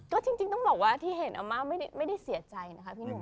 ก็จริงต้องบอกว่าที่เห็นอาม่าไม่ได้เสียใจนะคะพี่หนุ่ม